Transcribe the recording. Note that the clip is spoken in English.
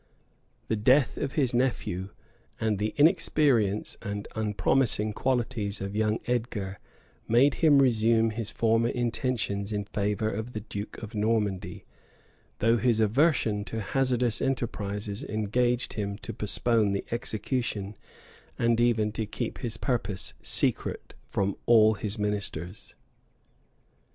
] The death of his nephew, and the inexperience and unpromising qualities of young Edgar, made him resume his former intentions in favor of the duke of Normandy; though his aversion to hazardous enterprises engaged him to postpone the execution, and even to keep his purpose secret from all his ministers.